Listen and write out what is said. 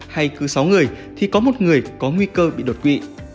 hay cứ sáu người thì có một người có nguy cơ bị đột quỵ